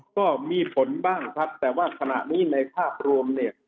ก็มีผลบ้างครับแต่ว่าขณะนี้ในภาพรวมเนี่ย